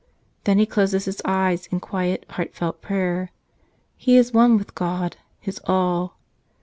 Then he closes his eyes in quiet, heartfelt prayer. He is one with God, his all.